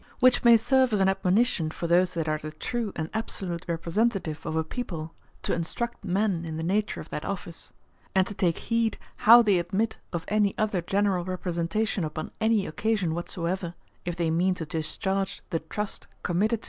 Which may serve as an admonition, for those that are the true, and absolute Representative of a People, to instruct men in the nature of that Office, and to take heed how they admit of any other generall Representation upon any occasion whatsoever, if they mean to discharge the truth committed to them.